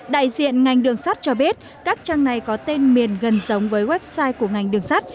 đại diện ngành đường sắt cho biết các trang này có tên miền gần giống với website của ngành đường sắt